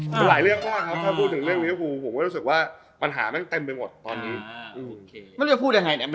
มันหลายเรื่องมากครับถ้าพูดถึงเรื่องวิทยอคภูมิผมก็รู้สึกว่าปัญหาเต็มไปหมดตอนนี้